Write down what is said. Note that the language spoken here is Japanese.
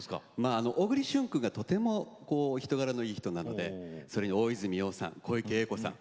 小栗旬君がとっても人柄のいい人なのでそれに大泉洋さん、小池栄子さん